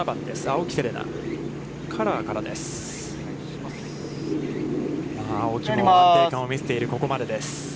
青木も安定感を見せているここまでです。